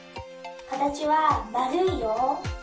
かたちはまるいよ。